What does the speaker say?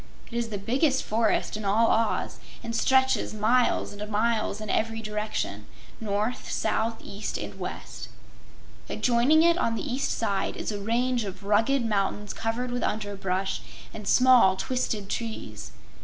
It is the biggest forest in all Oz and stretches miles and miles in every direction north, south, east and west. Adjoining it on the east side is a range of rugged mountains covered with underbrush and small twisted trees.